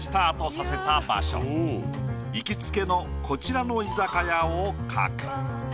行きつけのこちらの居酒屋を描く。